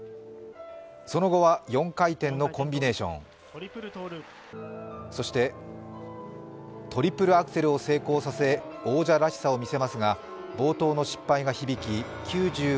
その後は４回転のコンビネーションそしてトリプルアクセルを成功させ、王者らしさを見せますが冒頭の失敗が響き